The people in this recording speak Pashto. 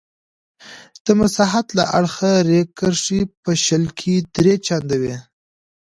د مساحت له اړخه رېل کرښې په شل کې درې چنده وې.